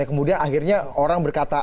kemudian akhirnya orang berkata